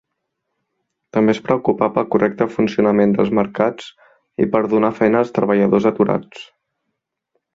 També es preocupà pel correcte funcionament dels mercats i per donar feina als treballadors aturats.